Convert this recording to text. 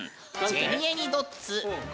ジェニエニドッツの？